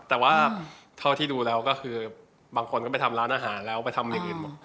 แต่ว่าเท่าที่ดูแล้วก็คือบางคนก็ไปทำร้านอาหารแล้วไปทำอย่างอื่น